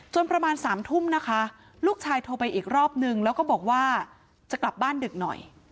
ประมาณ๓ทุ่มนะคะลูกชายโทรไปอีกรอบนึงแล้วก็บอกว่าจะกลับบ้านดึกหน่อย